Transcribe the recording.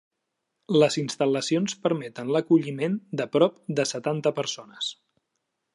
Les instal·lacions permeten l'acolliment de prop de setanta persones.